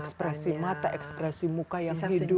ekspresi mata ekspresi muka yang hidup